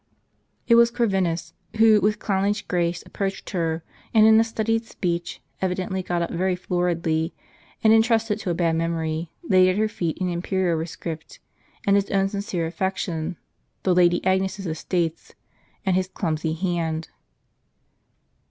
It was Corvinus, who with clownish grace approached her, and in a studied speech, evidently got up very floridly, and intrusted to a bad memory, laid at her feet an imperial rescript, and his own sincere affec tion, the Lady Agnes's estates, and his clumsy hand.